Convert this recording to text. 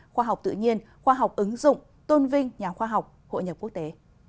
khoa học tự nhiên khoa học ứng dụng tôn vinh nhà khoa học hội nhập quốc tế